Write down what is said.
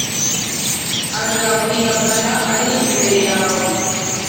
azakwihakana ari imbere yawe